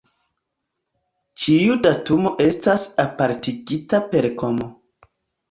Ĉiu datumo estas apartigita per komo.